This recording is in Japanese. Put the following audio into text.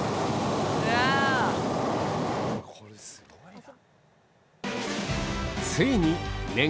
これすごいな。